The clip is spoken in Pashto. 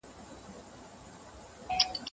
د الله د لیدلو احساس بنده نېکوي.